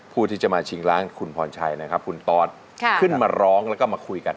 ผู้ที่จะมาชิงร้านคุณพรชัยนะครับคุณตอสขึ้นมาร้องแล้วก็มาคุยกัน